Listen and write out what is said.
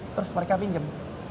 terus mereka pinjam